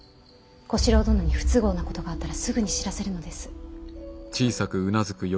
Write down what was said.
小四郎殿に不都合なことがあったらすぐに知らせるのです。